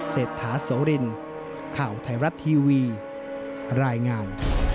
เศรษฐาโสรินข่าวไทยรัฐทีวีรายงาน